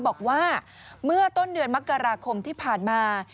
บอกว่าเมื่อต้นเดือนมกราคมที่ผ่านมา